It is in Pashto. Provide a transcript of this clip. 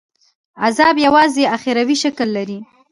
عذاب یوازي اُخروي شکل لري.